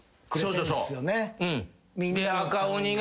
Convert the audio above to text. そうそう。